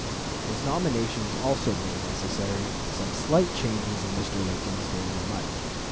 His nomination also made necessary some slight changes in Mr. Lincoln's daily life.